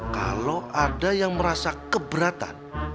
kalau ada yang merasa keberatan